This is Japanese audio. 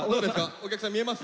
お客さん見えます？